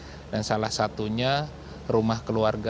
ini dan salah satunya rumah keluarga